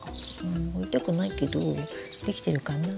うん掘りたくないけどできてるかな。